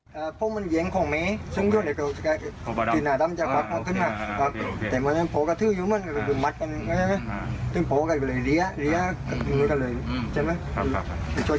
ที่ต้องข้ารีก็ขาดเข้าไปแนวข้างน้ำ